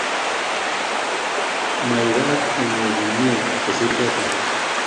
Magaat inay komnyei kosiir choto